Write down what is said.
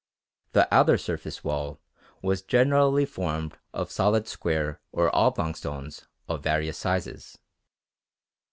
The outer surface wall was generally formed of solid square or oblong stones of various sizes.